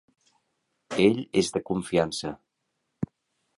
Ell és de confiança.